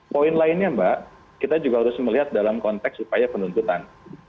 poin lainnya mbak kita juga harus melihat dalam konteks upaya penuntutan